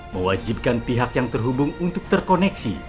mewajibkan pihak yang terhubung untuk terkoneksi